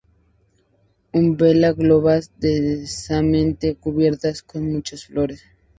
Umbela globosa, densamente cubierta con muchas flores.